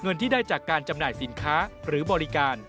๓เงินที่ได้จากการจำหน่ายสินค้าหรือบริการเช่นขายร่มขายเสื้อ